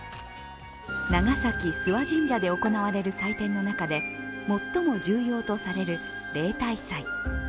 長崎・諏訪神社で行われる祭典の中で最も重要とされる例大祭。